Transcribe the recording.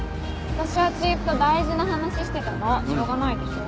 私はチーフと大事な話してたのしょうがないでしょ。